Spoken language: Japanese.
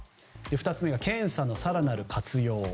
２つ目が検査の更なる活用。